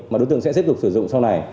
mà đối tượng sẽ tiếp tục sử dụng sau này